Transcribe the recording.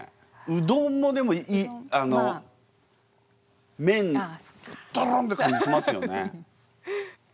うどんもでもあの麺のとろんって感じしますよね。